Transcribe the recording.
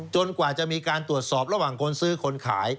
กว่าจะมีการตรวจสอบระหว่างคนซื้อคนขาย